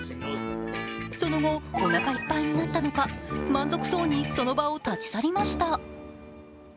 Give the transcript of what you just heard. その後、おなかいっぱいになったのか、満足そうにその場を立ち去りました。